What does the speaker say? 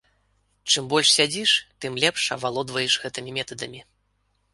Чым больш сядзіш, тым лепш авалодваеш гэтымі метадамі.